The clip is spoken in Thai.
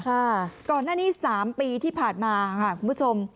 ก่อนหน้านี้สามปีที่ผ่านมาค่ะคุณผู้ชม